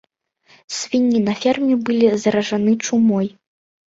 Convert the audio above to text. Свінні на ферме былі заражаны чумой.